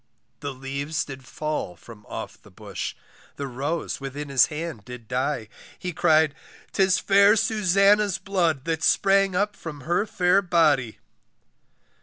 The leaves did fall from off the bush, The rose within his hand did die, He cried, 'tis fair Susannah's blood, That spring up from her fair body.